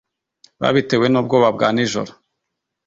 Babitewe n’ubwoba bwa nijoro.